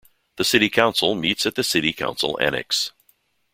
The City Council meets at the City Council Annex.